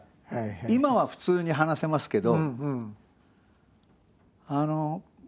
今は普通に話せますけど。